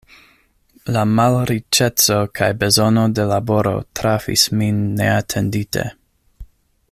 La malriĉeco kaj bezono de laboro trafis min neatendite.